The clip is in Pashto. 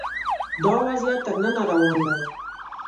دا وضعیت تر ننه روان دی